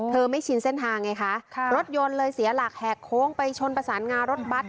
ไม่ชินเส้นทางไงคะรถยนต์เลยเสียหลักแหกโค้งไปชนประสานงารถบัตร